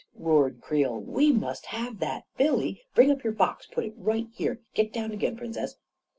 " roared Creel. " We must have that! Billy, bring up your box — put it right here. Get down again, Princess